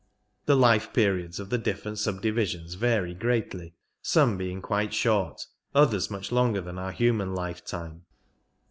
The life periods of the different subdivisions vary greatly, some being quite short, others much longer than our human lifetime.